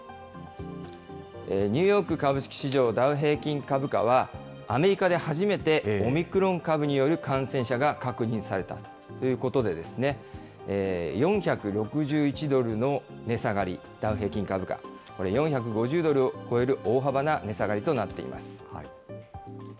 ニューヨーク株式市場ダウ平均株価は、アメリカで初めてオミクロン株による感染者が確認されたということでですね、４６１ドルの値下がり、ダウ平均株価、これ、４５０ドルを超える大幅な値下がりとなっています。